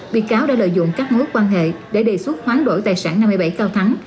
bị cáo đã lợi dụng các mối quan hệ để đề xuất hoán đổi tài sản năm mươi bảy cao thắng